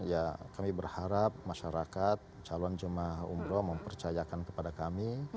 ya kami berharap masyarakat calon jemaah umroh mempercayakan kepada kami